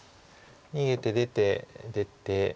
逃げて出て出て。